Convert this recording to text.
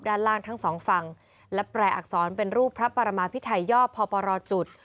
ด้านล่างทั้งสองฝั่งและแปลอักษรเป็นรูปพระปรมาพิไทยย่อพปรจุด